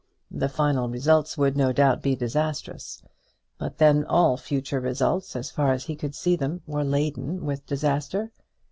The final results would, no doubt, be disastrous; but then, all future results, as far as he could see them, were laden with disaster.